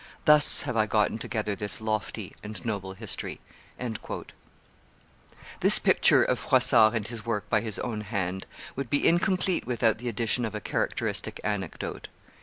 Thus have I gotten together this lofty and noble history." This picture of Froissart and his work by his own hand would be incomplete without the addition of a characteristic anecdote.